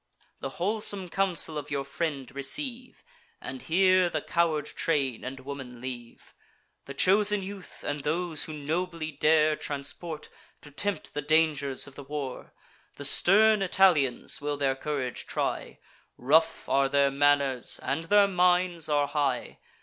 The wholesome counsel of your friend receive, And here the coward train and woman leave: The chosen youth, and those who nobly dare, Transport, to tempt the dangers of the war. The stern Italians will their courage try; Rough are their manners, and their minds are high.